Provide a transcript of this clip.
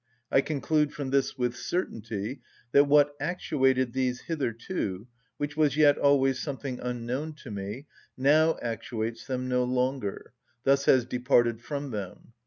I conclude from this with certainty that what actuated these hitherto, which was yet always something unknown to me, now actuates them no longer, thus has departed from them.